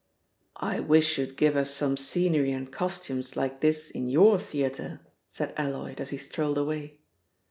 "I wish you'd give us some scenery and costumes like this in your theatre," said Alloyd as he strolled away.